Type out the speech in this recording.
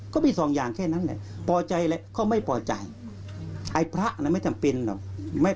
ก็มี๒อย่างแค่นั้นแหละเปาใจอะไรก็ไม่เปาใจ